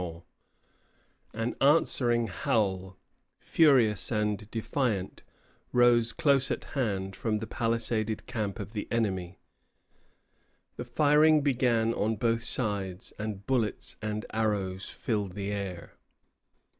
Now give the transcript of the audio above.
An answering howl, furious and defiant, rose close at hand from the palisaded camp of the enemy, the firing began on both sides, and bullets and arrows filled the air.